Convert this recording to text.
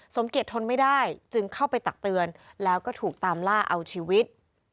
สมเกียจทนไม่ได้จึงเข้าไปตักเตือนแล้วก็ถูกตามล่าเอาชีวิต